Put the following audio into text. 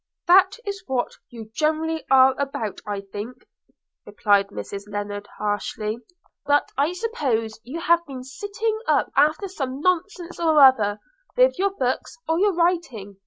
'That is what you generally are about, I think,' replied Mrs Lennard harshly. 'But I suppose you have been sitting up after some nonsense or other – with your books or your writing.